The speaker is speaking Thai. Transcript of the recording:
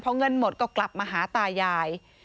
พอเงินหมดก็กลับมาหาตายาย